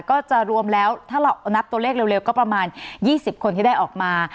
ก็จะรวมแล้วถ้าเรานับตัวเลขเร็วก็ประมาณ๒๐คนที่ได้ออกมา